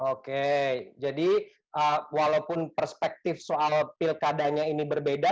oke jadi walaupun perspektif soal pilkadanya ini berbeda